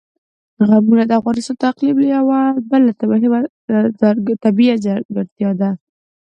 قومونه د افغانستان د اقلیم یوه بله مهمه طبیعي ځانګړتیا ده.